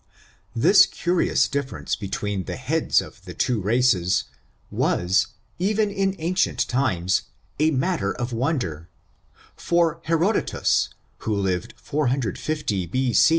This curious difference between the heads of the two races, was, even in ancient times, a matter of wonder; for Herodotus, who lived 450 years B.